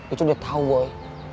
itu udah tau boy